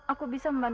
aku bisa membahas